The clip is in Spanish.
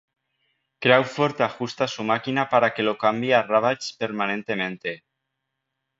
Crawford ajusta su máquina para que lo cambie a Ravage permanentemente.